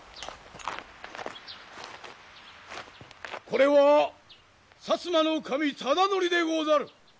これは摩守忠度でござる！